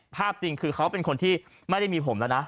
ภาพจริงคือเขาเป็นคนที่ไม่ได้มีผมแล้วนะ